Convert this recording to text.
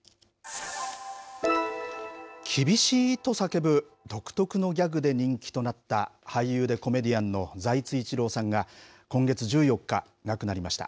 キビシーッと叫ぶ独特のギャグで人気となった俳優でコメディアンの財津一郎さんが今月１４日亡くなりました。